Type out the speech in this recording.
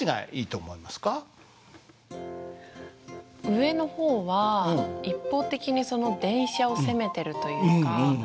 上の方は一方的にその電車を責めてるというかハハハハハ。